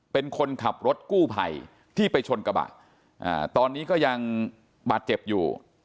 เป็นคนขับรถกู้ภัยที่ไปชนกระบะตอนนี้ก็ยังบาดเจ็บอยู่